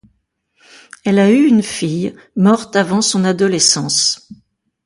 Elle a eu une fille, morte avant son adolescence.